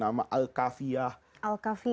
dia memberikan nama al kafiyah